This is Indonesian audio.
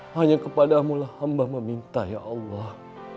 hanya kepadamulah hamba meminta ya allah